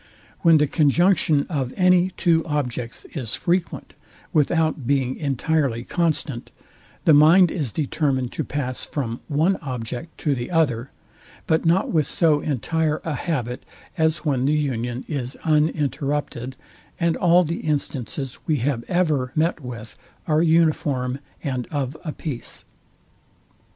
When the conjunction of any two objects is frequent, without being entirely constant, the mind is determined to pass from one object to the other; but not with so entire a habit, as when the union is uninterrupted, and all the instances we have ever met with are uniform and of a piece